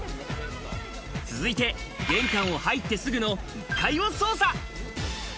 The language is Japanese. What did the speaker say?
続いて、玄関を入ってすぐの１階を捜査。